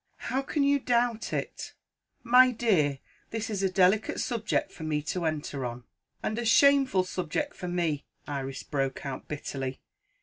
"How can you doubt it!" "My dear, this is a delicate subject for me to enter on." "And a shameful subject for me!" Iris broke out bitterly.